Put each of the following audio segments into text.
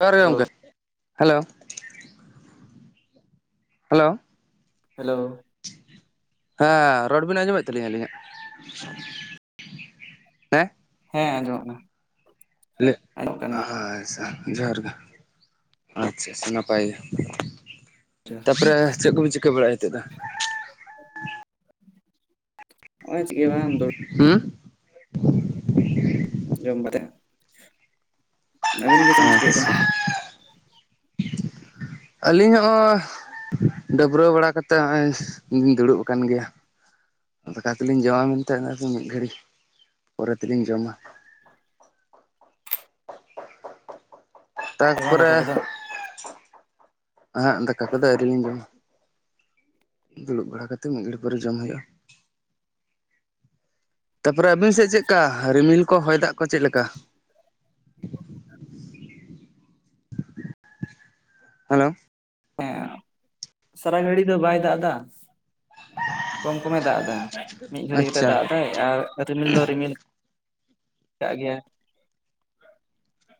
ᱡᱚᱦᱟᱨ ᱜᱮ ᱦᱮᱞᱳ ᱜᱚᱢᱠᱮ ᱦᱮᱞᱳ᱾ ᱦᱮᱞᱳ ᱦᱮᱞᱳ ᱦᱮᱸ ᱲᱚᱲ ᱵᱤᱱ ᱟᱸᱡᱚᱢᱮᱫ ᱛᱟᱹᱟᱞᱞᱤᱧᱟ ᱟᱹᱞᱤᱧᱟᱜ? ᱦᱮᱸ ᱦᱮᱸ ᱟᱸᱡᱚᱢᱚᱜ ᱠᱟᱱᱟ᱾ ᱟᱸᱡᱚᱢᱚᱜ ᱠᱟᱱ ᱜᱮᱭᱟ [unintelligible] ᱡᱚᱦᱟᱨ ᱜᱮ, ᱟᱪᱪᱷᱟ‌ ᱟᱪᱪᱷᱟ ᱱᱟᱯᱟᱭ ᱜᱮ᱾ ᱡᱚᱦᱟᱨ ᱛᱟᱯᱚᱨᱮ ᱪᱮᱫ ᱠᱚᱵᱤᱱ ᱪᱤᱠᱟᱹ ᱵᱟᱲᱟᱭᱮᱜᱼᱟ ᱱᱤᱛᱚᱜ ᱫᱚ? ᱱᱚᱜ ᱚᱭ ᱪᱮᱜ ᱜᱮ ᱵᱟᱝ ᱫᱩᱲᱩᱵ ᱦᱩᱸ? ᱡᱚᱢ ᱠᱟᱛᱮᱫ ᱟᱹᱵᱤᱱ ᱜᱮ ᱪᱮᱢ ᱪᱤᱠᱟᱹᱭᱮᱫᱟ ᱟᱪᱪᱷᱟ ᱟᱹᱞᱤᱧᱟᱜ ᱦᱚᱸ ᱰᱟᱹᱵᱽᱨᱟᱹᱣ ᱵᱟᱲᱟ ᱠᱟᱛᱮᱫ ᱱᱚᱜᱼᱚᱭ ᱞᱤᱧ ᱫᱩᱲᱩᱵ ᱟᱠᱟᱱ ᱜᱮᱭᱟ ᱫᱟᱠᱟ ᱠᱚᱞᱤᱧ ᱡᱚᱢᱟ ᱢᱮᱱᱛᱮ ᱟᱫᱚ ᱢᱤᱫ ᱜᱷᱟᱹᱲᱤᱡ ᱯᱚᱨᱮ ᱛᱮᱞᱤᱧ ᱡᱚᱢᱟ ᱵᱟᱝ ᱛᱟᱯᱚᱨᱮ ᱫᱟᱠᱟ ᱠᱚᱫᱚ ᱦᱟᱜ ᱫᱟᱠᱟ ᱠᱚᱫᱚ ᱟᱹᱣᱨᱤᱤᱧ ᱡᱚᱢᱟ ᱫᱩᱲᱩᱵ ᱵᱟᱲᱟ ᱠᱟᱛᱮ ᱢᱤᱫ ᱜᱷᱟᱹᱲᱤ ᱯᱚᱨᱮ ᱡᱚᱢ ᱦᱩᱭᱩᱜᱼᱟ ᱛᱟᱯᱚᱨᱮ ᱟᱹᱵᱤᱱ ᱥᱮᱫ ᱪᱮᱫ ᱞᱮᱠᱟ ᱨᱤᱢᱤᱞ ᱠᱚ ᱦᱚᱭ ᱫᱟᱜ ᱠᱚ ᱪᱮᱫ ᱞᱮᱠᱟ ᱦᱮᱞᱳ ᱦᱮᱸ ᱥᱟᱨᱟ ᱜᱷᱟᱹᱲᱤ ᱫᱚ ᱵᱟᱭ ᱫᱟᱜ ᱮᱫᱟ ᱠᱚᱢ ᱠᱚᱢᱮ ᱫᱟᱜ ᱮᱫᱟ ᱢᱤᱫ ᱜᱷᱟᱹᱲᱤ ᱠᱟᱛᱮ ᱟᱪᱪᱷᱟ ᱫᱟᱜ ᱮᱫᱟᱭ ᱟᱨ ᱨᱤᱢᱤᱞ ᱫᱚ ᱨᱤᱢᱤᱞ ᱠᱟᱜ ᱜᱮᱭᱟᱭ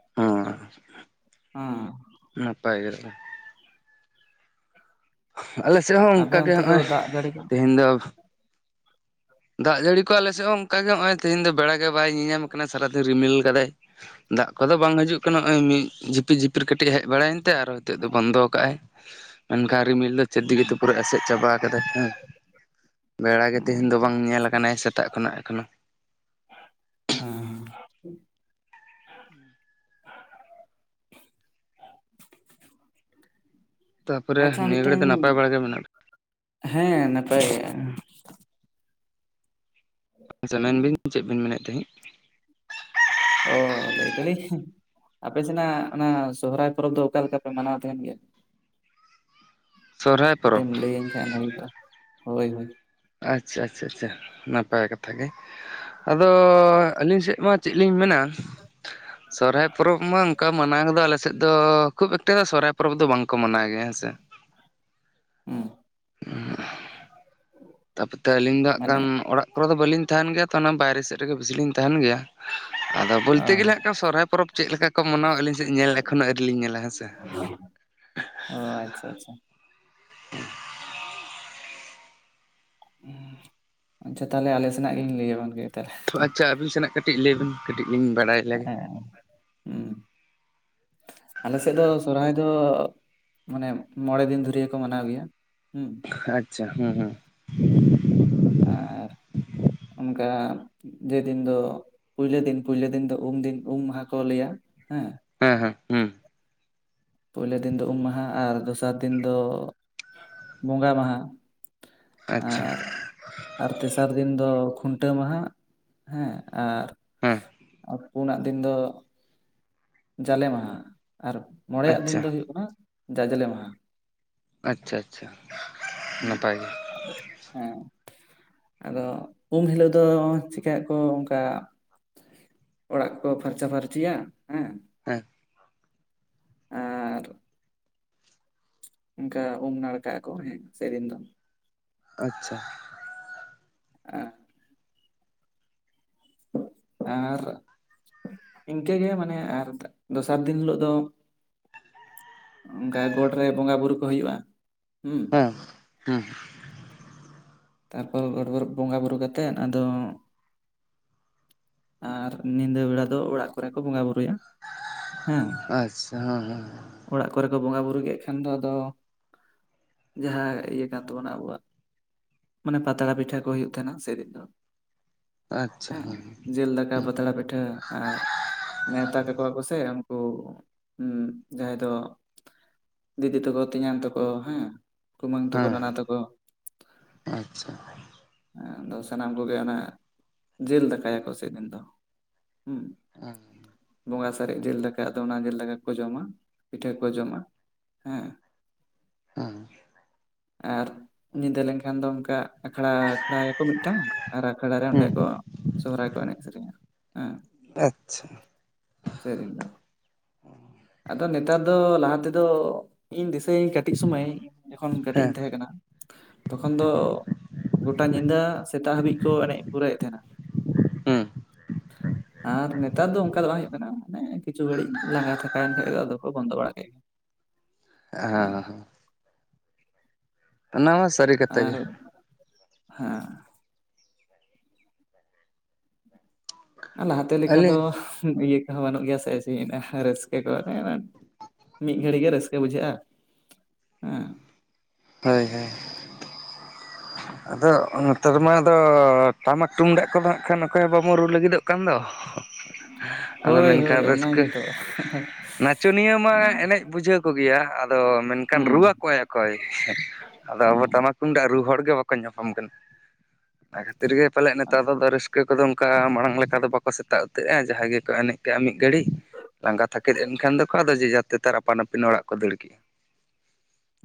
[unintelligible] [unintelligible] ᱱᱟᱯᱟᱭ ᱜᱮ ᱟᱞᱮ ᱥᱮᱫ ᱦᱚᱸ ᱟᱯᱮ ᱚᱱᱠᱟ ᱜᱮ ᱚᱱᱛᱮ ᱫᱚ ᱦᱚᱸᱜᱼᱚᱭ ᱫᱟᱜ ᱡᱟᱹᱲᱤ ᱠᱚ ᱛᱮᱦᱮᱧ ᱫᱚ ᱫᱟᱜ ᱡᱟᱹᱲᱤ ᱠᱚ ᱟᱞᱮᱥᱮᱫ ᱦᱚᱸ ᱚᱱᱠᱟ ᱜᱮ ᱱᱚᱜᱼᱚᱭ ᱛᱮᱦᱮᱧ ᱫᱚ ᱵᱮᱲᱟ ᱜᱮ ᱵᱟᱭ ᱧᱤᱧᱟᱢ ᱠᱟᱱᱟ ᱥᱟᱨᱟᱫᱤᱱ ᱨᱤᱢᱤᱞ ᱠᱟᱫᱟᱭ ᱫᱟᱜ ᱠᱚᱫᱚ ᱵᱟᱝ ᱦᱤᱡᱩᱜ ᱠᱟᱱᱟ ᱱᱚᱜᱼᱚᱭ ᱢᱤᱫ ᱡᱷᱤᱯᱤ ᱡᱷᱤᱯᱤᱨ ᱠᱟᱹᱴᱤᱡ ᱦᱮᱡ ᱵᱟᱲᱟᱭᱮᱱ ᱛᱮ ᱟᱨᱚ ᱱᱤᱛᱚᱜ ᱫᱚ ᱵᱚᱱᱫᱚ ᱠᱟᱜᱼᱟᱭ ᱢᱮᱱᱠᱷᱟᱱ ᱨᱤᱢᱤᱞ ᱪᱮᱫ ᱦᱩᱸ [unintelligible] ᱮᱥᱮᱫ ᱪᱟᱵᱟ ᱠᱟᱫᱟᱭ ᱦᱮ ᱵᱮᱲᱟ ᱜᱮ ᱦᱩᱸ ᱛᱮᱦᱤᱧ ᱫᱚ ᱵᱟᱝ ᱧᱮᱞ ᱟᱠᱟᱱᱟᱭ ᱥᱮᱛᱟᱜ ᱠᱷᱚᱱᱟᱜ ᱮᱠᱷᱚᱱᱚ ᱦᱮᱸ ᱛᱟᱯᱚᱨᱮ ᱟᱪᱪᱷᱟ ᱱᱤᱭᱟᱹ ᱜᱷᱟᱹᱲᱤ ᱢᱤᱫᱴᱮᱱ ᱫᱚ ᱱᱟᱯᱟᱭ ᱵᱟᱲᱟ ᱜᱮ ᱢᱮᱱᱟᱜ ᱯᱮ ᱦᱮᱸ ᱱᱟᱯᱟᱭ ᱜᱮ ᱟᱪᱪᱷᱟ ᱢᱮᱱ ᱵᱤᱱ ᱪᱮᱫ ᱵᱤᱱ ᱢᱮᱱᱮᱫ ᱛᱟᱦᱮᱸᱫ ᱚ ᱞᱟᱹᱭ ᱫᱟᱞᱤᱧ ᱟᱯᱮ ᱥᱮᱱᱟᱜ ᱚᱱᱟ ᱥᱚᱦᱚᱨᱟᱭ ᱯᱚᱨᱚᱵᱽ ᱫᱚ ᱚᱠᱟ ᱞᱮᱠᱟ ᱯᱮ ᱢᱟᱱᱟᱣ ᱛᱟᱦᱮᱱ ᱜᱮᱭᱟ ᱥᱚᱦᱨᱟᱭ ᱠᱟᱹᱴᱤᱡ ᱯᱚᱨᱚᱵᱽ ᱮᱢ ᱞᱟᱹᱭᱟᱹᱧ ᱠᱷᱟᱱ ᱵᱷᱟᱜᱮ ᱠᱚᱜ-ᱟ ᱦᱳᱭ ᱦᱳᱭ ᱟᱪᱪᱷᱟ ᱟᱪᱪᱷᱟ ᱟᱪᱪᱷᱟ ᱱᱟᱯᱟᱭ ᱠᱟᱛᱷᱟ ᱜᱮ ᱟᱫᱚ ᱟᱹᱞᱤᱧ ᱥᱮᱫ ᱢᱟ ᱪᱮᱫ ᱞᱤᱧ ᱢᱮᱱᱟ ᱥᱚᱨᱦᱟᱭ ᱯᱚᱨᱚᱵᱽ ᱢᱟ ᱚᱱᱠᱟ ᱢᱟᱱᱟᱣ ᱠᱚ ᱫᱚ ᱟᱞᱮ ᱥᱮᱫ ᱫᱚ ᱠᱷᱩᱵ ᱮᱠᱴᱟ ᱫᱚ ᱥᱚᱨᱦᱟᱭ ᱯᱚᱨᱚᱵᱽ ᱫᱚ ᱵᱟᱝ ᱠᱚ ᱢᱟᱱᱟᱣ ᱜᱮᱭᱟ ᱦᱮᱸᱥᱮ ᱦᱩᱸ ᱛᱟᱯᱚᱛᱮ ᱟᱹᱞᱤᱧ ᱫᱚ ᱦᱟᱜ ᱢᱟᱱᱮ ᱠᱷᱟᱱ ᱚᱲᱟᱜ ᱠᱚᱨᱮ ᱫᱚ ᱵᱟᱹᱞᱤᱧ ᱛᱟᱦᱮᱱ ᱜᱮᱭᱟ ᱛᱚ ᱚᱱᱟ ᱵᱟᱭᱨᱮ ᱥᱮᱫ ᱨᱮᱜᱮ ᱵᱮᱥᱤ ᱞᱤᱧ ᱛᱟᱦᱮᱱ ᱜᱮᱭᱟ ᱟᱫᱚ ᱚ ᱵᱚᱞᱛᱮ ᱜᱮᱞᱮ ᱦᱟᱜ ᱠᱷᱟᱱ ᱥᱚᱨᱦᱟᱭ ᱯᱚᱨᱚᱵᱽ ᱪᱮᱫ ᱞᱮᱠᱟ ᱠᱚ ᱢᱟᱱᱟᱣᱟ ᱟᱹᱞᱤᱧ ᱥᱮᱫ ᱧᱮᱞ ᱮᱠᱷᱚᱱᱳ ᱟᱹᱣᱨᱤ ᱞᱤᱧ ᱧᱮᱞᱟ ᱦᱮᱸ ᱥᱮ ᱚ ᱟᱪᱪᱷᱟ ᱟᱪᱪᱷᱟ [unintelligible] ᱟᱪᱪᱷᱟ ᱛᱟᱦᱚᱞᱮ ᱟᱞᱮ ᱥᱮᱱᱟᱜ ᱜᱤᱧ ᱞᱟᱹᱭᱟᱞᱟᱝ ᱜᱮ ᱛᱟᱦᱚᱞᱮ ᱟᱪᱪᱷᱟ ᱟᱵᱤᱱ ᱥᱮᱱᱟᱜ ᱠᱟᱹᱴᱤᱡ ᱞᱟᱹᱭᱵᱮᱱ ᱠᱟᱹᱴᱤᱡ ᱞᱤᱧ ᱵᱟᱲᱟᱭ ᱞᱮᱜᱮ ᱦᱮᱸ ᱦᱮᱸ ᱟᱞᱮ ᱥᱮᱫ ᱫᱚ ᱥᱚᱨᱦᱟᱭ ᱫᱚ ᱢᱟᱱᱮ ᱢᱚᱬᱮ ᱫᱤᱱ ᱫᱷᱩᱨᱭᱟᱹ ᱠᱚ ᱢᱟᱱᱟᱣ ᱜᱮᱭᱟ ᱦᱩᱸ ᱟᱪᱪᱷᱟ ᱦᱩᱸ ᱦᱩᱸ ᱟᱨ ᱚᱱᱠᱟ ᱡᱮᱫᱤᱱ ᱫᱚ ᱯᱩᱭᱞᱳ ᱫᱤᱱ ᱯᱩᱭᱞᱳ ᱫᱤᱱ ᱫᱚ ᱩᱢ ᱫᱤᱱ ᱩᱢ ᱢᱟᱦᱟ ᱠᱚ ᱞᱟᱹᱭᱟ ᱦᱮᱸ ᱦᱮᱸ ᱦᱮᱸ ᱦᱩᱸ ᱯᱳᱭᱞᱳ ᱫᱤᱱ ᱫᱚ ᱩᱢ ᱢᱟᱦᱟ ᱟᱨ ᱫᱚᱥᱟᱨ ᱫᱤᱱ ᱫᱚ ᱵᱚᱸᱜᱟ ᱢᱟᱦᱟ ᱟᱪᱪᱷᱟ ᱟᱨ ᱟᱨ ᱛᱮᱥᱟᱨ ᱫᱤᱱ ᱫᱚ ᱠᱷᱩᱱᱴᱟᱹᱣ ᱢᱟᱦᱟ ᱦᱮᱸ ᱟᱨ ᱦᱮᱸ ᱯᱩᱱᱟᱜ ᱫᱤᱱ ᱫᱚ ᱡᱟᱞᱮ ᱢᱟᱦᱟ ᱟᱨ ᱢᱚᱬᱮᱭᱟᱜ ᱟᱪᱪᱷᱟ ᱫᱤᱱ ᱫᱚ ᱦᱩᱭᱩᱜ ᱠᱟᱱᱟ ᱡᱟᱡᱽᱞᱮ ᱢᱟᱦᱟ ᱟᱪᱪᱷᱟ ᱟᱪᱪᱷᱟ ᱱᱟᱯᱟᱭ ᱜᱮ ᱦᱮᱸ ᱟᱫᱚ ᱩᱢ ᱦᱤᱞᱳᱜ ᱫᱚ ᱪᱤᱠᱟᱭᱟ ᱠᱚ ᱚᱱᱠᱟ ᱚᱲᱟᱜ ᱠᱚᱠᱚ ᱯᱷᱟᱨᱪᱟ ᱯᱷᱷᱟᱨᱪᱤᱭᱟ ᱦᱮᱸ ᱟᱨ ᱚᱱᱠᱟ ᱩᱢ ᱱᱟᱲᱠᱟ ᱟᱠᱚ ᱦᱮᱸ ᱥᱮᱭ ᱫᱟᱱ ᱫᱚ ᱟᱪᱪᱷᱟ ᱟᱸ ᱟᱨ ᱤᱱᱠᱟᱹ ᱜᱮᱮᱷ ᱢᱟᱱᱮ ᱟᱨ ᱫᱚᱥᱟᱨ ᱫᱤᱱ ᱦᱤᱞᱳᱜ ᱫᱚ ᱚᱱᱠᱟ ᱜᱚᱴ ᱨᱮ ᱵᱚᱸᱜᱟ ᱵᱩᱨᱩ ᱠᱚ ᱦᱩᱭᱩᱜᱼᱟ ᱦᱩᱸ ᱦᱮᱸ ᱦᱩ ᱛᱟᱨᱯᱚᱨ ᱜᱚᱰ ᱵᱩᱨᱩ ᱵᱚᱸᱜᱟ ᱵᱩᱨᱩ ᱠᱟᱛᱮᱫ ᱟᱫᱚ ᱟᱨ ᱧᱤᱫᱟᱹ ᱵᱮᱲᱟ ᱫᱚ ᱚᱲᱟᱜ ᱠᱚᱨᱮ ᱠᱚ ᱵᱚᱸᱜᱟ ᱵᱩᱨᱩᱭᱟ ᱦᱮᱸ ᱟᱪᱪᱷᱟ ᱦᱮᱸ ᱦᱮᱸ ᱚᱲᱟᱜ ᱠᱚᱨᱮ ᱠᱚ ᱵᱚᱸᱜᱟ ᱵᱩᱨᱩ ᱠᱮᱫ ᱠᱷᱟᱱ ᱫᱚ ᱟᱫᱚ ᱡᱟᱦᱟᱸ ᱤᱭᱟᱹ ᱠᱟᱱ ᱛᱟᱵᱚᱱᱟ ᱟᱵᱚᱣᱟᱜ ᱢᱟᱱᱮ ᱯᱟᱛᱲᱟ ᱯᱤᱴᱷᱟᱹ ᱠᱚ ᱦᱩᱭᱩᱜ ᱛᱟᱦᱮᱱᱟ ᱥᱮᱭ ᱫᱤᱱ ᱫᱚ ᱦᱮᱸ ᱡᱮᱞ ᱫᱟᱠᱟ ᱦᱮᱸ ᱯᱟᱛᱲᱟ ᱯᱤᱴᱟᱹ ᱟᱨ ᱱᱮᱶᱛᱟ ᱠᱟᱠᱚᱣᱟ ᱠᱚ ᱥᱮ ᱩᱱᱠᱩ ᱡᱟᱦᱟᱸᱭ ᱫᱚ ᱫᱤᱫᱤ ᱛᱟᱠᱚ ᱛᱮᱧᱟᱝ ᱛᱟᱠᱚ ᱦᱮᱸ ᱠᱩᱢᱟᱹᱝ ᱛᱟᱠᱚ ᱦᱮᱸ ᱱᱟᱱᱟ ᱛᱟᱠᱚ ᱟᱪᱪᱷᱟ ᱦᱮ ᱟᱫᱚ ᱥᱟᱱᱟᱢ ᱠᱚᱜᱮ ᱚᱱᱟ ᱡᱤᱞ ᱫᱟᱠᱟᱭᱟᱠᱚ ᱥᱮ ᱫᱤᱱ ᱫᱚᱦ ᱚᱸ᱾ ᱵᱚᱸᱜᱟ ᱥᱟᱨᱮᱡᱽ ᱡᱤᱞ ᱫᱟᱠᱟ ᱟᱫᱚ ᱚᱱᱟ ᱡᱤᱞ ᱫᱟᱠᱟ ᱠᱚ ᱡᱚᱢᱟ ᱯᱤᱴᱷᱟᱹ ᱠᱚ ᱡᱚᱢᱟ ᱦᱮᱸ ᱦᱮᱸ ᱟᱨ ᱧᱤᱫᱟᱹ ᱞᱮᱱᱠᱷᱟᱱ ᱫᱚ ᱚᱱᱠᱟ ᱟᱠᱷᱲᱟ ᱟᱠᱷᱲᱟᱭᱟᱠᱚ ᱢᱤᱫᱴᱟᱝ ᱟᱨ ᱟᱠᱷᱲᱟ ᱨᱮ ᱚᱸᱰᱮ ᱦᱩᱸ ᱠᱚ ᱥᱚᱦᱨᱟᱭ ᱠᱚ ᱮᱱᱮᱡ ᱥᱮᱨᱮᱧᱟ ᱦᱮᱸ ᱟᱪᱪᱷᱟ ᱥᱮᱸᱜ ᱨᱤᱱ ᱫᱚ ᱟᱫᱚ ᱱᱮᱛᱟᱨ ᱫᱚ ᱞᱟᱦᱟ ᱛᱮᱫᱚ ᱤᱧ ᱫᱤᱥᱟᱹᱭ ᱠᱟᱹᱴᱤᱡᱽ ᱥᱚᱢᱟᱹᱭ ᱡᱚᱠᱷᱚᱱ ᱠᱟᱹᱴᱤᱡᱽ ᱦᱮᱸ ᱤᱧ ᱛᱟᱦᱮᱸ ᱠᱟᱱᱟ ᱛᱚᱠᱷᱚᱱ ᱫᱚ ᱜᱚᱴᱟ ᱧᱤᱫᱟᱹ ᱥᱮᱛᱟᱜ ᱦᱟᱹᱵᱤᱡᱽ ᱠᱚ ᱮᱱᱮᱡ ᱯᱩᱨᱟᱹᱭᱮᱫ ᱛᱟᱦᱮᱱᱟ᱾ ᱦᱩᱸ ᱟᱨ ᱱᱮᱛᱟᱨ ᱫᱚ ᱚᱱᱠᱟ ᱫᱚ ᱵᱟᱝ ᱦᱩᱭᱩᱜ ᱠᱟᱱᱟ ᱢᱟᱱᱮ ᱠᱤᱪᱷᱩ ᱜᱷᱟᱹᱲᱤᱡᱽ ᱞᱟᱸᱜᱟ ᱛᱷᱟᱠᱟᱣᱮᱱ ᱠᱷᱟᱱ ᱫᱚ ᱟᱫᱚ ᱠᱚ ᱵᱚᱱᱫᱚ ᱵᱟᱲᱟ ᱠᱮᱜ ᱦᱮᱸ ᱦᱚᱸᱦᱚ ᱚᱱᱟᱢᱟᱥ ᱟᱨ ᱦᱮᱸ ᱞᱟᱦᱟᱛᱮ ᱞᱮᱠᱟ ᱫᱚ ᱟᱹᱞᱤᱧ ᱤᱭᱟᱹ ᱦᱚᱸ ᱵᱟᱹᱱᱩᱜ ᱜᱮᱭᱟ ᱥᱮ ᱨᱟᱹᱥᱠᱟᱹ ᱠᱚ ᱢᱤᱫ ᱜᱷᱟᱹᱲᱤ ᱜᱮ ᱨᱟᱹᱥᱠᱟᱹ ᱵᱩᱡᱷᱟᱹᱜᱼᱟ᱾ ᱦᱮᱸ ᱦᱳᱭ ᱦᱳᱭ ᱟᱫᱚ ᱱᱚᱛᱮᱨᱮᱢᱟ ᱟᱫᱚ ᱴᱟᱢᱟᱠ ᱴᱩᱢᱫᱟᱜ ᱠᱚᱫᱚ ᱦᱟᱸᱜ ᱠᱷᱟᱱ ᱚᱠᱚᱭ ᱦᱚᱸ ᱵᱟᱢᱚᱱ ᱨᱩ ᱞᱟᱹᱜᱤᱫᱚᱜ ᱠᱟᱱ ᱫᱚ ᱟᱫᱚ ᱦᱳᱭ ᱦᱳᱭ ᱢᱮᱱᱠᱷᱟᱱ ᱚᱱᱟ ᱨᱟᱹᱥᱠᱟᱹ ᱜᱮᱛᱚ ᱱᱟᱪᱚᱱᱤᱭᱟᱹ ᱢᱟ ᱦᱩᱸ ᱮᱱᱮᱡ ᱵᱩᱡᱷᱟᱹᱣ ᱠᱚᱜᱮᱭᱟ ᱟᱫᱚ ᱢᱮᱱᱠᱷᱟᱱ ᱦᱩᱸ ᱨᱩᱣᱟᱹᱠᱚᱼᱟᱭ ᱚᱠᱚᱭ ᱟᱫᱚ ᱟᱵᱚ ᱦᱩᱸ ᱴᱟᱢᱟᱠ ᱛᱩᱢᱫᱟᱜ ᱨᱩ ᱦᱚᱲ ᱜᱮ ᱵᱟᱠᱚ ᱧᱟᱯᱟᱢ ᱠᱟᱱᱟ ᱚᱱᱟ ᱠᱷᱟᱹᱛᱤᱨ ᱜᱮ ᱯᱟᱞ ᱱᱮᱛᱟᱨ ᱫᱚ ᱨᱟᱥ ᱯᱠᱟᱹ ᱠᱚᱫᱚ ᱚᱱᱠᱟ ᱢᱟᱲᱟᱝ ᱞᱮᱠᱟ ᱫᱚ ᱵᱟᱠᱚ ᱥᱮᱛᱟᱜ ᱩᱛᱟᱹᱨᱼᱟ ᱡᱟᱦᱟᱸᱭ ᱜᱮᱠᱚ ᱮᱱᱮᱡ ᱠᱮᱜᱼᱟ ᱢᱤᱫ ᱜᱷᱟᱹᱲᱤᱡᱽ ᱞᱟᱸᱜᱟ ᱛᱷᱟᱠᱮᱫ ᱮᱱᱠᱷᱟᱱ ᱫᱚᱠᱚ ᱟᱫᱚ ᱡᱮᱡᱟ ᱛᱮᱛᱟᱨ ᱟᱯᱟᱱ ᱟᱹᱯᱤᱱ ᱚᱲᱟᱜ ᱠᱚ ᱫᱟᱹᱲ ᱠᱮᱜᱼᱟ᱾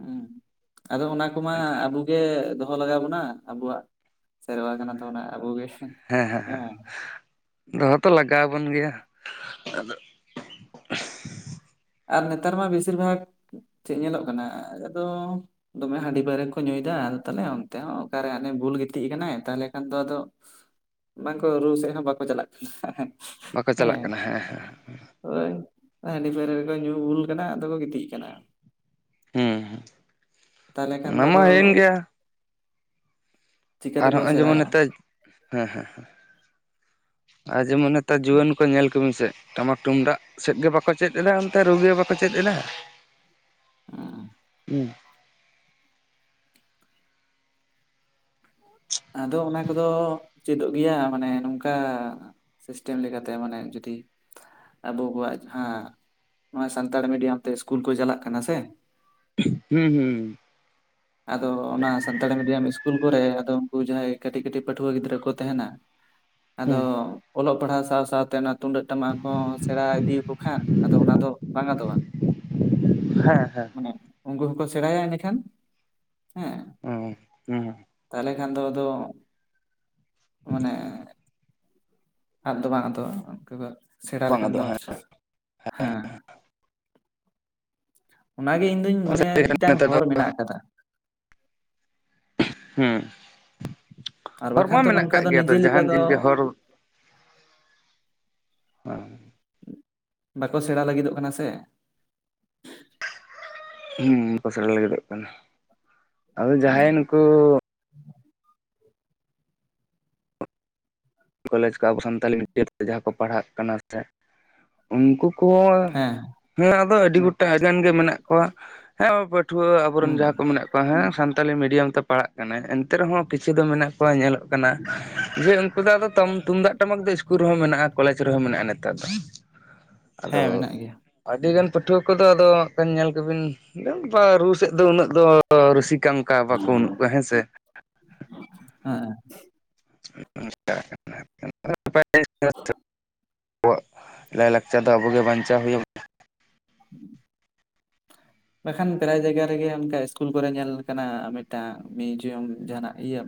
ᱩᱸ ᱟᱫᱚ ᱚᱱᱟ ᱠᱚᱢᱟ ᱟᱫᱚ ᱟᱵᱚ ᱜᱮ ᱫᱚᱦᱚ ᱞᱟᱜᱟᱣ ᱵᱚᱱᱟ ᱟᱵᱚᱣᱟᱜ ᱥᱮᱨᱣᱟ ᱠᱟᱱᱟ ᱛᱟᱵᱚᱱᱟ ᱟᱵᱚᱜᱮ ᱦᱮᱸ ᱦᱮᱸ ᱵᱟᱝ? ᱫᱚᱦᱚ ᱛᱚ ᱞᱟᱜᱟᱣ ᱟᱵᱚᱱ ᱜᱮᱭᱟ ᱟᱨ ᱱᱮᱛᱟᱨ ᱢᱟ ᱵᱮᱥᱤᱨ ᱵᱷᱟᱜᱽ ᱪᱮᱫ ᱧᱮᱞᱚᱜ ᱠᱟᱱᱟ ᱟᱫᱚ ᱫᱚᱢᱮ ᱦᱟᱺᱰᱤ ᱯᱟᱹᱭᱨᱟᱹ ᱠᱚ ᱧᱩᱭᱫᱟ ᱟᱫᱚ ᱛᱟᱦᱞᱮ ᱚᱱᱛᱮ ᱦᱚᱸ ᱚᱠᱟᱨᱮ ᱦᱮ ᱵᱷᱩᱞ ᱜᱤᱛᱤᱡ ᱠᱟᱱᱟᱭ ᱛᱟᱦᱚᱞᱮ ᱠᱷᱟᱱ ᱫᱚ ᱟᱫᱚ ᱵᱟᱝᱠᱚ ᱨᱩ ᱥᱮᱫ ᱦᱚᱸ ᱵᱟᱠᱚ ᱪᱟᱞᱟᱜ ᱠᱟᱱᱟ ᱵᱟᱠᱚ ᱪᱟᱞᱟᱜ ᱠᱟᱱᱟ ᱦᱮᱸ ᱦᱮᱸ ᱦᱚᱭ ᱦᱟᱺᱰᱤ ᱯᱟᱹᱣᱨᱟᱹ ᱨᱮ ᱠᱚ ᱧᱩ ᱵᱩᱞ ᱟᱠᱟᱱᱟ ᱟᱫᱚ ᱠᱚ ᱜᱤᱛᱤᱡ ᱟᱠᱟᱱᱟ ᱦᱩ ᱦᱩᱸ ᱛᱟᱦᱚᱞᱮ ᱠᱷᱟᱱ ᱚᱱᱟ ᱫᱚ ᱢᱟ ᱟᱫᱚ [inaudible] ᱦᱩᱭᱮᱱ ᱪᱤᱠᱟᱹ ᱛᱮᱠᱚ ᱟᱨᱦᱚᱸ ᱟᱸ.. ᱡᱮᱢᱚᱜ ᱥᱮᱬᱟᱭᱟ ᱱᱮᱛᱟᱨ ᱦᱮᱸ ᱦᱮᱸ ᱦᱮᱸ, ᱟᱨ ᱡᱮᱢᱚᱱ ᱱᱮᱛᱟᱨ ᱡᱩᱣᱟᱹᱱ ᱠᱚ ᱧᱮᱞ ᱠᱩᱢ ᱥᱮ ᱴᱟᱢᱟᱠ ᱛᱩᱢᱰᱟᱜ ᱥᱮᱫ ᱜᱮ ᱵᱟᱠᱚ ᱪᱮᱫ ᱮᱫᱟ ᱮᱱᱛᱮ ᱨᱩ ᱜᱮ ᱵᱟᱠᱚ ᱪᱮᱫ ᱮᱫᱟ ᱩᱸ [unintelligible] ᱦᱩᱸ [unintelligible] ᱟᱫᱚ ᱚᱱᱟ ᱠᱚᱫᱚ ᱪᱮᱫᱚᱜ ᱜᱮᱭᱟ ᱢᱟᱱᱮ ᱱᱚᱝᱠᱟ ᱥᱤᱥᱴᱮᱢ ᱞᱮᱠᱟᱛᱮ ᱢᱟᱱᱮ ᱡᱩᱫᱤ ᱟᱵᱚ ᱠᱚᱣᱟᱜ ᱡᱟᱦᱟᱸ ᱱᱚᱣᱟ ᱥᱟᱱᱛᱟᱲᱤ ᱢᱤᱰᱤᱭᱟᱢ ᱛᱮ ᱤᱥᱠᱩᱞ ᱠᱚ ᱪᱟᱞᱟᱜ ᱠᱟᱱᱟ ᱥᱮ ᱦᱩᱸ ᱦᱩᱸ ᱟᱫᱚ ᱚᱱᱟ ᱥᱟᱱᱛᱟᱲᱤ ᱢᱤᱰᱤᱭᱟᱢ ᱤᱥᱠᱩᱞ ᱠᱚᱨᱮ ᱟᱫᱚ [unintelligible] ᱡᱟᱦᱟᱸᱭ ᱠᱟᱹᱴᱤᱡ ᱠᱟᱹᱴᱤᱡ ᱯᱟᱹᱴᱷᱩᱣᱟᱹ ᱜᱤᱫᱽᱨᱟᱹ ᱠᱚ ᱛᱟᱦᱮᱱᱟ ᱟᱫᱚ ᱦᱩᱸ ᱚᱞᱚᱜ ᱯᱟᱲᱦᱟᱣ ᱥᱟᱶ ᱥᱟᱶᱛᱮ ᱚᱱᱟ ᱛᱩᱢᱫᱟᱹᱜ ᱴᱟᱢᱟᱠ ᱠᱚ ᱥᱮᱬᱟ ᱤᱫᱤᱭᱟᱠᱚ ᱠᱷᱟᱱ ᱟᱫᱚ ᱚᱱᱟ ᱫᱚ ᱵᱟᱝ ᱟᱫᱚᱜᱼᱟ ᱦᱮᱸ ᱦᱮᱸ ᱩᱱᱠᱩ ᱦᱚᱸᱠᱚ ᱥᱮᱬᱟᱭᱟ ᱮᱱᱟᱹᱠᱷᱟᱱ ᱦᱮᱸ ᱚ ᱦᱩᱸ ᱛᱟᱦᱚᱞᱮ ᱠᱷᱟᱱ ᱫᱚ ᱟᱫᱚ ᱢᱟᱱᱮ ᱟᱫ ᱫᱚ ᱵᱟᱝ ᱟᱫᱚᱜᱼᱟ ᱚᱱᱠᱟ ᱫᱚ ᱥᱮᱬᱟ ᱵᱟᱝ ᱞᱮᱠᱷᱟᱱ ᱟᱫᱚᱜ ᱫᱚ ᱦᱮᱸ ᱦᱮᱸ [inaudible] ᱚᱱᱟᱜᱮ ᱤᱧ ᱫᱚᱧ ᱢᱚᱱᱮᱭᱟ ᱢᱤᱫᱴᱟᱝ ᱱᱮᱛᱟᱨ ᱫᱚ ᱦᱚᱨ ᱢᱮᱱᱟᱜ ᱟᱠᱟᱫᱟ ᱦᱩᱸ ᱟᱨ ᱦᱚᱨ ᱢᱟ ᱵᱟᱠᱷᱟᱱ ᱫᱚ ᱢᱮᱱᱟᱜ ᱱᱚᱝᱠᱟ ᱟᱠᱟᱜ ᱫᱚ ᱜᱮᱭᱟ ᱛᱚ ᱱᱤᱡᱮ ᱞᱮᱠᱟ ᱡᱟᱦᱟᱱ ᱫᱚ ᱡᱤᱱᱤᱥ ᱜᱮ ᱦᱚᱨ ᱦᱮᱸ [unintelligible] ᱵᱟᱠᱚ ᱥᱮᱬᱟ ᱞᱟᱹᱜᱤᱫᱚᱜ ᱠᱟᱱᱟ ᱥᱮ ᱦᱩ ᱵᱟᱠᱚ ᱥᱮᱬᱟ ᱞᱟᱹᱜᱤᱫᱚᱜ ᱠᱟᱱᱟ [inaudible] ᱟᱫᱚ ᱡᱟᱦᱟᱸᱭ ᱦᱮᱸ ᱱᱩᱠᱩ ᱠᱚᱞᱮᱡᱽ ᱠᱚ ᱟᱵᱚ ᱥᱟᱱᱛᱟᱞᱤ ᱢᱤᱰᱤᱭᱟᱢ ᱛᱮ ᱡᱟᱦᱟᱸ ᱠᱚ ᱯᱟᱲᱦᱟᱜ ᱠᱟᱱᱟ ᱥᱮ ᱩᱱᱠᱩ ᱠᱚ ᱦᱮᱸ ᱦᱮᱸ ᱟᱫᱚ ᱟᱹᱰᱤ ᱜᱚᱴᱟᱝ ᱴᱟᱜ ᱜᱟᱱ ᱜᱮ ᱢᱮᱱᱟᱜ ᱠᱚᱣᱟ ᱦᱮᱸ ᱯᱟᱹᱴᱷᱩᱣᱟᱹ ᱟᱵᱚᱨᱮᱱ ᱦᱩᱸ ᱡᱟᱦᱟᱸ ᱠᱚ ᱢᱮᱱᱟᱜ ᱠᱚ ᱠᱚᱣᱟ ᱦᱮᱸ ᱥᱟᱱᱛᱟᱞᱤ ᱢᱤᱰᱤᱭᱟᱢ ᱛᱮ ᱯᱟᱲᱦᱟᱜ ᱠᱟᱱᱟᱭ ᱮᱱᱛᱮ ᱨᱮᱦᱚᱸ ᱠᱤᱪᱷᱩ ᱫᱚ ᱢᱮᱱᱟᱜ ᱠᱚᱣᱟ ᱧᱮᱞᱚᱜ ᱠᱟᱱᱟ ᱡᱮ ᱩᱱ.... -ᱠᱩ ᱫᱚ ᱟᱫᱚ ᱛᱚᱢ ᱛᱩᱢᱫᱟᱜ ᱴᱟᱢᱟᱠ ᱫᱚ -ᱠᱩᱞ ᱨᱮᱦᱚᱸ ᱢᱮᱱᱟᱜᱼᱟ ᱠᱚᱞᱮᱡᱽ ᱨᱮᱦᱚᱸ ᱢᱮᱱᱟᱜᱼᱟ ᱱᱮᱛᱟᱨ ᱫᱚ, ᱟᱫᱚ ᱦᱮᱸ ᱢᱮᱱᱟᱜ ᱜᱮᱭᱟ ᱟᱹᱰᱤ ᱜᱟᱱ ᱯᱟᱹᱴᱷᱩᱣᱟᱹ ᱠᱚᱫᱚ ᱟᱫᱚ ᱧᱮᱞ ᱠᱚ ᱵᱤᱱ [unintelligible] ᱨᱩ ᱥᱮᱫ ᱫᱚ ᱩᱱᱟᱹᱜ ᱫᱚ ᱨᱥᱤᱠᱟ ᱚᱱᱠᱟ ᱵᱟᱠᱚ ᱵᱟᱹᱱᱩᱜ ᱠᱚᱣᱟ ᱦᱮᱸ ᱥᱮ [inaudible] ᱦᱮᱸ ᱪ [unintelligible] ᱦ [unintelligible] ᱟᱵᱚᱣᱟᱜ ᱞᱟᱭᱼᱞᱟᱠᱪᱟᱨ ᱫᱚ ᱟᱵᱚᱜᱮ ᱵᱟᱧᱪᱟᱣ ᱦᱩᱭᱩ ᱟᱵ..... [unintelligible] ᱵᱟᱠᱷᱟᱱ ᱯᱨᱟᱭ ᱡᱟᱭᱜᱟ ᱨᱮᱜᱮ ᱚᱱᱠᱟ ᱤᱥᱠᱩᱞ ᱠᱚᱨᱮ ᱧᱮᱞ ᱟᱠᱟᱱᱟ ᱢᱤᱫᱴᱟᱝ ᱢᱤᱭᱩᱡᱤᱭᱟᱢ ᱡᱟᱦᱱᱟᱜ ᱤᱭᱟᱹ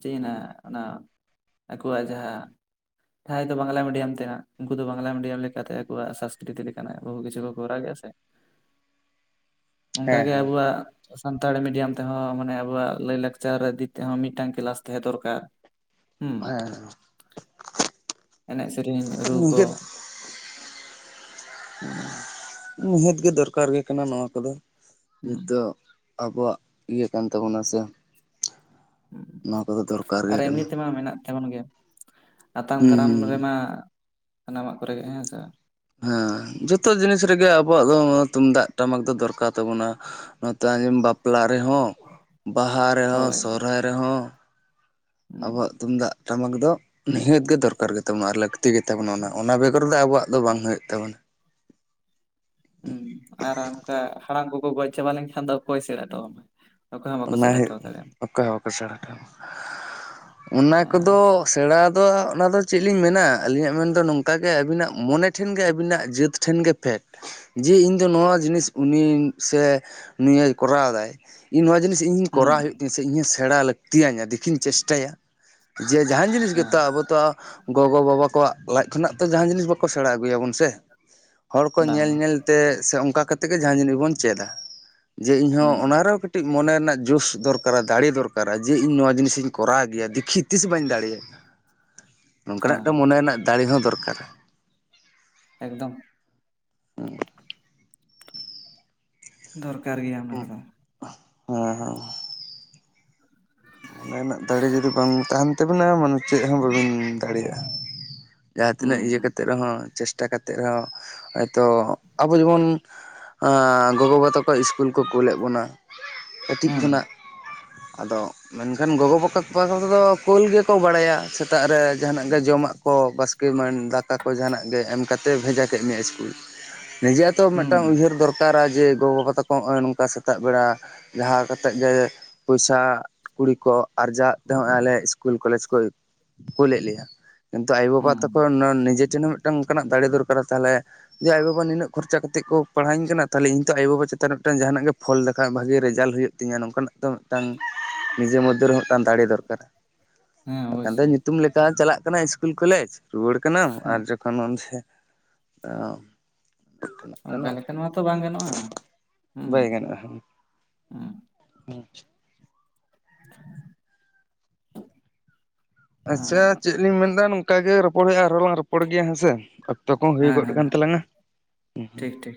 ᱪᱮᱫ ᱦᱮᱱᱟᱜ-ᱟ ᱚᱱᱟ ᱟᱠᱚᱣᱟᱜ ᱡᱟᱦᱟᱸ ᱡᱟᱦᱟᱸᱭ ᱫᱚ ᱵᱟᱝᱞᱟ ᱢᱤᱰᱤᱭᱟᱢ ᱛᱮ ᱦᱟᱸᱜ ᱩᱱᱠᱩ ᱫᱚ ᱵᱟᱝᱞᱟ ᱢᱤᱰᱤᱭᱟᱢ ᱞᱮᱠᱟᱛᱮ ᱟᱠᱩᱣᱟᱜ ᱥᱟᱸᱥᱠᱨᱤᱛᱤ ᱞᱮᱠᱟᱱᱟᱜ ᱵᱩᱦᱩ ᱠᱤᱪᱷᱩ ᱠᱚ ᱠᱚᱨᱟᱣ ᱜᱮᱭᱟ ᱥᱮ‌ ᱚᱱᱠᱟ ᱦᱮᱸ ᱜᱮ ᱦᱮᱸ ᱟᱵᱚᱣᱟᱜ ᱥᱟᱱᱛᱟᱲᱤ ᱢᱤᱰᱤᱭᱟᱢ ᱛᱮᱦᱚᱸ ᱢᱟᱱᱮ ᱟᱵᱚᱣᱟᱜ ᱞᱟᱹᱭ ᱞᱟᱠᱪᱟᱨ ᱤᱫᱤ ᱛᱮᱦᱚᱸ ᱢᱤᱫᱴᱟᱝ ᱠᱮᱞᱟᱥ ᱛᱟᱦᱮᱸ ᱫᱚᱨᱠᱟᱨ ᱦᱩᱸ ᱦᱮᱸ ᱮᱱᱮᱡ ᱥᱮᱨᱮᱧ ᱨᱩ ᱠᱚ ᱱᱤᱦᱟᱹᱛ [unintelligible] ᱱᱤᱦᱟᱹᱛ ᱜᱮ ᱫᱚᱨᱠᱟᱨ ᱜᱮ ᱠᱟᱱᱟ ᱱᱚᱣᱟ ᱠᱚᱫᱚ ᱦᱩᱸ ᱱᱤᱛᱚᱜ ᱟᱵᱚᱣᱟᱜ ᱤᱭᱟᱹ ᱠᱟᱱ ᱛᱟᱵᱚᱱᱟ ᱥᱮ ᱦᱩᱸ ᱱᱚᱣᱟ ᱠᱚᱫᱚ ᱫᱚᱨᱠᱟᱨ ᱟᱨ ᱜᱮ ᱮᱢᱱᱤ ᱠᱟᱱᱟ ᱛᱮᱢᱟ ᱢᱮᱱᱟᱜ ᱛᱟᱵᱚᱱ ᱜᱮᱭᱟ ᱟᱛᱟᱝ ᱦᱩᱸ ᱫᱟᱨᱟᱢ ᱦᱩᱸ ᱨᱮ ᱢᱟ ᱥᱟᱱᱟᱢᱟᱜ ᱠᱚᱨᱮ ᱜᱮ ᱦᱮᱸ ᱥᱮ ᱦᱮᱸ ᱡᱚᱛᱚ ᱡᱤᱱᱤᱥ ᱨᱮᱜᱮ ᱟᱵᱚᱣᱟᱜ ᱫᱚ ᱛᱩᱢᱫᱟᱜ ᱴᱟᱢᱟᱠ ᱫᱚ ᱫᱚᱨᱠᱟᱨ ᱛᱟᱵᱚᱱᱟ᱾ ᱱᱚᱛᱮ ᱟᱸᱡᱮᱢ ᱵᱟᱯᱞᱟ ᱨᱮᱦᱚᱸ ᱵᱟᱦᱟ ᱨᱮᱦᱚᱸ ᱦᱳᱭ ᱥᱚᱦᱨᱟᱭ ᱨᱮᱦᱚᱸ᱾ ᱦᱩᱸ ᱟᱵᱚᱣᱟᱜ ᱛᱩᱢᱫᱟᱜ ᱴᱟᱢᱟᱠ ᱫᱚ ᱱᱤᱦᱟᱹᱛ ᱜᱮ ᱫᱚᱨᱠᱟᱨ ᱜᱮ ᱛᱟᱵᱚᱱᱟ ᱟᱨ ᱞᱟᱹᱠ ᱠᱷᱩᱛᱤ ᱜᱮᱛᱟᱵᱚᱱᱟ ᱚᱱᱟ ᱵᱮᱜᱚᱨ ᱫᱚ ᱟᱵᱚᱣᱟᱜ ᱫᱚ ᱵᱟᱝ ᱦᱳᱭᱳᱜ ᱛᱟᱵᱚᱱᱟ᱾ ᱦᱩᱸ ᱟᱨ ᱚᱱᱠᱟ ᱦᱟᱲᱟᱢ ᱠᱚᱠᱚ ᱜᱚᱡ ᱪᱟᱵᱟ ᱞᱮᱱᱠᱷᱟᱱ ᱫᱚ ᱚᱠᱚᱭ ᱥᱮᱬᱟᱭ ᱛᱟᱵᱚᱱᱟ᱾ ᱚᱱᱟ ᱦᱳᱭᱳᱜ ᱚᱠᱚᱭ ᱦᱚᱸ ᱚᱠᱚ ᱥᱮᱬᱟ ᱥᱚᱴᱚ‌ ᱟᱢᱟ ᱚᱱᱟ ᱠᱚᱫᱚ ᱥᱮᱬᱟ ᱫᱚ ᱚᱱᱟ ᱫᱚ ᱪᱮᱫ ᱞᱤᱧ ᱢᱮᱱᱟ ᱟᱹᱞᱤᱧᱟᱜ ᱢᱮᱱᱫᱚ ᱱᱚᱝᱠᱟ ᱜᱮ ᱟᱹᱵᱤᱱᱟᱜ ᱢᱚᱱᱮ ᱴᱷᱮᱱ ᱜᱮ ᱟᱹᱵᱤᱱᱟᱜ ᱡᱟᱹᱛ ᱴᱷᱮᱱ ᱜᱮ ᱯᱷᱮᱠ ᱡᱮ ᱤᱧ ᱫᱚ ᱱᱚᱣᱟ ᱡᱤᱱᱤᱥ ᱩᱱᱤ ᱥᱮ ᱱᱤᱭ ᱠᱚᱨᱟᱣᱫᱟᱭ᱾ ᱤᱧ ᱱᱚᱣᱟ ᱡᱤᱱᱤᱥ ᱤᱧᱤᱧ ᱦᱩᱸ ᱠᱚᱨᱟᱣ ᱦᱩᱭᱩᱜ ᱛᱤᱧᱟᱹ ᱥᱮ ᱤᱧ ᱦᱚᱸ ᱥᱮᱬᱟ ᱞᱟᱹᱠᱛᱤᱭ ᱟᱹᱧᱟ ᱫᱮᱠᱷᱤᱧ ᱪᱮᱥᱴᱟᱭᱟ᱾ ᱡᱮ ᱡᱟᱦᱟᱱ ᱡᱤᱱᱤᱥ ᱜᱮᱛᱚ ᱦᱮᱸ ᱟᱵᱚ ᱛᱚ ᱜᱚᱜᱚᱼᱵᱟᱵᱟ ᱠᱚᱣᱟᱜ ᱞᱟᱡ ᱠᱷᱚᱱᱟᱜ ᱛᱚ ᱡᱟᱦᱟᱸ ᱡᱤᱱᱤᱥ ᱵᱟᱠᱚ ᱥᱮᱬᱟ ᱟᱹᱜᱩᱭ ᱟᱵᱚᱱ ᱥᱮ ᱦᱚᱲ ᱠᱚ ᱵᱟᱝ ᱧᱮᱞ ᱧᱮᱞ ᱛᱮ ᱥᱮ ᱚᱱᱠᱟ ᱠᱟᱛᱮ ᱜᱮ ᱡᱟᱦᱟᱸ ᱡᱤᱱᱤᱥ ᱜᱮ ᱵᱚᱱ ᱪᱮᱫᱟ ᱡᱮ ᱤᱧ ᱦᱚᱸ ᱦᱩᱸ ᱚᱱᱟ ᱨᱮᱦᱚᱸ ᱠᱟᱹᱴᱤᱡ ᱢᱚᱱᱮ ᱨᱮᱱᱟᱜ ᱡᱳᱥ ᱫᱚᱨᱠᱟᱨᱟ ᱫᱟᱲᱮ ᱫᱚᱨᱠᱟᱨᱟ ᱡᱮ ᱤᱧ ᱱᱚᱣᱟ ᱡᱤᱱᱤᱥᱤᱧ ᱠᱚᱨᱟᱣ ᱜᱮᱭᱟ ᱫᱤᱠᱷᱤ ᱛᱤᱥ ᱵᱟᱹᱧ ᱫᱟᱲᱮᱭᱟᱜᱼᱟ᱾ ‍‍ᱻ ᱱᱚᱝᱠᱟᱱᱟᱜ ᱢᱚᱱᱮ ᱨᱮᱱᱟᱜ ᱫᱟᱲᱮ ᱦᱚᱸ ᱫᱚᱨᱠᱟᱨᱟ᱾ ᱮᱠᱫᱚᱢ ᱦᱩᱸ ᱫᱚᱨᱠᱟᱨ ᱜᱮᱭᱟ ᱚᱱᱟ ᱠᱚᱫᱚ᱾ ᱦᱚᱸ ᱦᱚᱸ ᱚᱱᱟ ᱨᱮᱱᱟᱜ ᱫᱟᱲᱮ ᱡᱩᱫᱤ ᱵᱟᱝ ᱛᱟᱦᱮᱱ ᱛᱟᱵᱤᱱᱟ ᱢᱟᱱᱮ ᱪᱮᱜ ᱦᱚᱸ ᱵᱟᱹᱵᱤᱱ ᱫᱟᱲᱮᱭᱟᱜᱼᱟ᱾ ᱡᱟᱦᱟᱸ ᱛᱤᱱᱟᱹᱜ ᱤᱭᱟᱹ ᱦᱩᱸ ᱠᱟᱛᱮ ᱨᱮᱦᱚᱸ ᱪᱮᱥᱴᱟ ᱠᱟᱛᱮᱜ ᱨᱮᱦᱚᱸ ᱦᱚᱭᱛᱳ ᱟᱵᱚ ᱡᱮᱢᱚᱱ ᱚ ᱜᱚᱜᱚ-ᱵᱟᱵᱟ ᱛᱟᱠᱚ ᱤᱥᱠᱩᱞ ᱠᱚ ᱠᱳᱞᱮᱫ ᱵᱚᱱᱟ ᱠᱟᱹᱴᱤᱡ ᱦᱩᱸ ᱠᱷᱚᱱᱟᱜ᱾ ᱟᱫᱚ ᱢᱮᱱᱠᱷᱟᱱ ᱜᱚᱜᱚ ᱵᱟᱵᱟ ᱚ ᱠᱳᱞ ᱜᱮᱠᱚ ᱵᱟᱲᱟᱭᱟ ᱥᱮᱛᱟᱜ ᱨᱮ ᱡᱟᱦᱟᱱᱟᱜ ᱜᱮ ᱡᱚᱢᱟᱜ ᱠᱚ ᱵᱟᱥ ᱠᱮ ᱟᱱ ᱫᱟᱠᱟ ᱠᱚ ᱡᱟᱦᱟᱱᱟᱜ ᱜᱮ ᱮᱢ ᱠᱟᱛᱮ ᱵᱷᱮᱡᱟ ᱠᱮᱫ ᱢᱮᱭᱟ ᱤᱥᱠᱩᱞ ᱱᱤᱡᱮᱨᱟᱜ ᱛᱚ ᱦᱩᱸ ᱢᱤᱫᱴᱟᱝ ᱩᱭᱦᱟᱹᱨ ᱫᱚᱨᱠᱟᱨ᱾ ᱫᱚᱨᱠᱟᱨᱟ ᱡᱮ ᱜᱚᱼᱵᱟᱵᱟ ᱛᱟᱠᱚ ᱱᱚᱜᱼᱚᱭ ᱱᱚᱝᱠᱟ ᱥᱮᱛᱟᱜ ᱵᱮᱲᱟ ᱡᱟᱦᱟᱸ ᱠᱟᱛᱮᱫ ᱜᱮ ᱯᱚᱭᱥᱟ ᱠᱩᱲᱤ ᱠᱚ ᱟᱨᱡᱟᱣ ᱛᱮ ᱦᱚᱸᱜᱼᱚᱭ ᱟᱞᱮ ᱤᱥᱠᱩᱞ ᱠᱚᱞᱮᱡᱽ ᱠᱚ ᱠᱩᱞᱮᱜ ᱞᱮᱭᱟ᱾ ᱠᱤᱱᱛᱩ ᱦᱩᱸ ᱟᱭᱳᱼᱵᱟᱵᱟ ᱛᱚᱠᱷᱚᱱ ᱱᱤᱡᱮ ᱴᱷᱮᱱ ᱦᱚᱸ ᱢᱤᱫᱴᱟᱝ ᱚᱱᱠᱟᱱᱟᱜ ᱫᱟᱲᱮ ᱫᱚᱨᱟᱨᱟ ᱛᱟᱦᱚᱞᱮ ᱡᱮ ᱟᱭᱳᱵᱟ ᱱᱤᱱᱟᱹᱜ ᱠᱷᱚᱨᱪᱟ ᱠᱟᱛᱮᱮᱫ ᱠᱚ ᱯᱟᱲᱦᱟᱣ ᱤᱧ ᱠᱟᱱᱟ ᱛᱟᱦᱮ ᱤᱧᱚ ᱟᱭᱳᱼᱵᱟ ᱪᱮᱛᱟᱱ ᱢᱤᱫᱴᱟᱝ ᱡᱟᱦᱟᱱᱟᱜ ᱜᱮ ᱯᱷᱚᱞ ᱞᱮᱠᱷᱟ ᱵᱷᱟᱜᱮ ᱨᱮᱡᱟᱞᱴ ᱦᱳᱭᱳᱜ ᱛᱤᱧᱟᱹ ᱱᱚᱝᱠᱟᱱᱟᱜ ᱛᱚ ᱢᱤᱫᱴᱟᱝ ᱱᱤᱡᱮ ᱢᱚᱫᱽᱫᱷᱮ ᱨᱮᱦᱚᱸ ᱫᱟᱲᱮ ᱫᱚᱨᱠᱟᱨᱟ ᱦᱮᱸ ᱵᱟᱠᱷᱟᱱ ᱫᱚ ᱚᱵᱚᱥᱥᱳᱭ ᱧᱩᱛᱩᱢ ᱞᱮᱠᱟ ᱪᱟᱞᱟᱜ ᱠᱟᱱᱟ ᱤᱥᱠᱩᱞ ᱠᱚᱞᱮᱡᱽ ᱨᱩᱣᱟᱹᱲ ᱠᱟᱱᱟᱢ ᱟᱨ ᱦᱮᱸ ᱡᱚᱠᱷᱚᱱ ᱚᱱᱥᱮ ᱚᱱᱠᱟ ᱞᱮᱠᱷᱟᱱ ᱢᱟᱛᱚ ᱵᱟᱝ ᱜᱟᱱᱚᱜᱼᱟ ᱦᱩᱸ ᱵᱟᱭ ᱜᱟᱱᱚᱜᱼᱟ ᱦᱩᱸ᱾ [unintelligible] ᱻ ᱟᱪᱪᱷᱟ ᱪᱮᱜ ᱞᱤᱧ ᱢᱮᱱᱫᱟ ᱱᱚᱝᱠᱟ ᱜᱮ ᱨᱚᱯᱚᱲ ᱦᱩᱭᱩᱜᱼᱟ ᱟᱨᱦᱚᱸ ᱞᱟᱝ ᱨᱚᱯ ᱯᱚᱲ ᱜᱮᱭᱟ ᱦᱮᱸᱥᱮ ᱚᱠᱛᱚ ᱠᱚᱦᱚᱸ ᱦᱩᱭ ᱜᱚᱜ ᱦᱮᱸ ᱠᱟᱱ ᱛᱟᱞᱟᱝ ᱟ ᱦᱩᱸ ᱦᱩᱸ᱾ ᱴᱷᱤᱠ ᱴᱷᱤᱠ